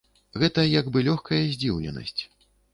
Гэта як бы лёгкая здзіўленасць.